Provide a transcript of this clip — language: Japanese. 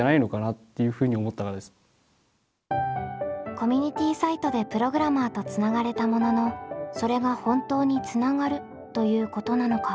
コミュニティサイトでプログラマーとつながれたもののそれが本当につながるということなのか。